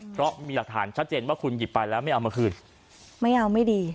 เพราะมีหลักฐานชัดเจนว่าคุณหยิบไปแล้วไม่เอามาคืนไม่เอาไม่ดี